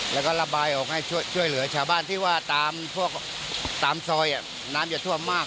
แล้วก็ระบายออกให้ช่วยเหลือชาวบ้านที่ว่าตามพวกตามซอยน้ำจะท่วมมาก